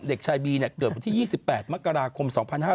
เด็กชายบีเกิดวันที่๒๘มกราคม๒๕๕๙